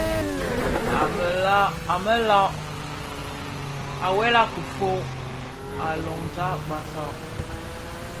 À wela kifog, à lômzàg bàsàg.